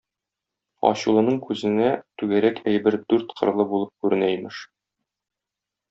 Ачулының күзенә түгәрәк әйбер дүрт кырлы булып күренә имеш.